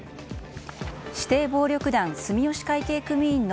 指定暴力団住吉会系組員の